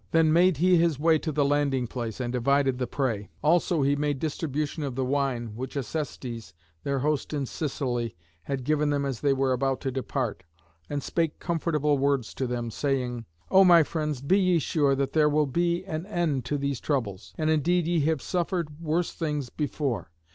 Then made he his way to the landing place, and divided the prey. Also he made distribution of the wine which Acestes, their host in Sicily, had given them as they were about to depart, and spake comfortable words to them, saying, "O my friends, be ye sure that there will be an end to these troubles; and indeed ye have suffered worse things before.